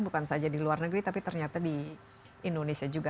bukan saja di luar negeri tapi ternyata di indonesia juga